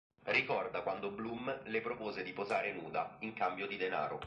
Ricorda quando Bloom le propose di posare nuda in cambio di denaro.